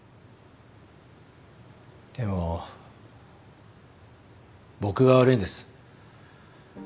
でも僕が悪いんです。